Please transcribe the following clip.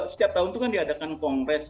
setiap tahun itu kan diadakan kongres